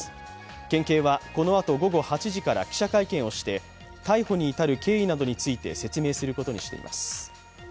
県警はこのあと午後８時から記者会見をして逮捕に至る経緯などについて説明することにしています。